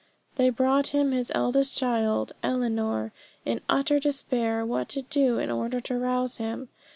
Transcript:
They brought him his eldest child, Ellinor, in utter despair what to do in order to rouse him.